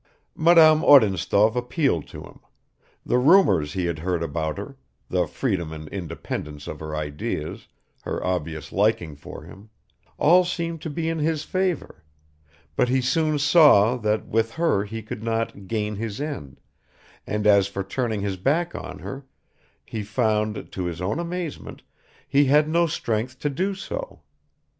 Madame Odintsov appealed to him; the rumors he had heard about her, the freedom and independence of her ideas, her obvious liking for him all seemed to be in his favor; but he soon saw that with her he could not "gain his end," and as for turning his back on her, he found, to his own amazement, he had no strength to do so.